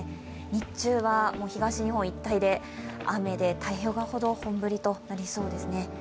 日中は東日本一帯で雨で太平洋側ほど本降りとなりそうですね。